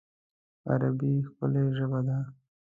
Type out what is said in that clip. عربي ښکلی ژبه ده